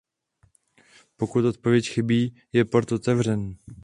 Pokud odpověď chybí je port otevřený.